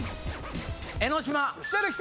江の島。